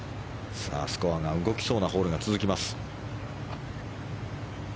スコアが動きそうなホールが続きます。